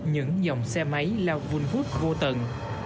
những dòng xe máy lao vun vút vô tận